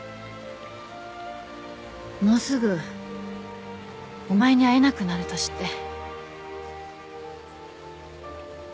もうすぐお前に会えなくなると知って。